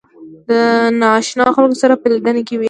دا د نااشنا خلکو سره په لیدنه کې وي.